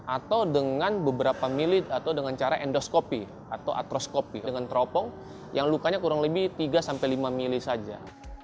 atau dengan beberapa milit atau dengan cara endoskopi atau atroskopi dengan teropong yang lukanya kurang lebih tiga sampai lima mili saja